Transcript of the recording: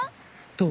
どう？